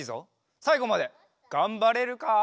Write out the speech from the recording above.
さいごまでがんばれるか？